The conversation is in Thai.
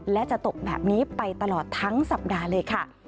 และจะตกแบบนี้ไปตลอดทั้งสัปดาห์เลยค่ะ